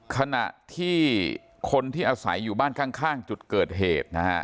ขณะที่คนที่อาศัยอยู่บ้านข้างจุดเกิดเหตุนะฮะ